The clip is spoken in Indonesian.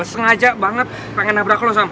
sengaja banget pengen nabrak lu sam